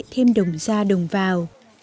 thêm đồng ra đồng vào